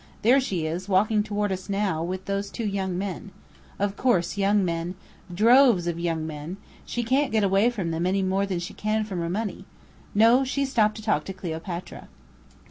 There she is, walking toward us now, with those two young men. Of course, young men! Droves of young men! She can't get away from them any more than she can from her money. No, she's stopped to talk to Cleopatra."